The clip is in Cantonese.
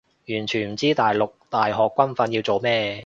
完全唔知大陸大學軍訓要做咩